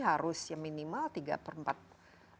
harus yang minimal tiga per empat peratus